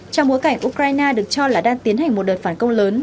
trong bối cảnh ukraine được cho là đang tiến hành một đợt phản công lớn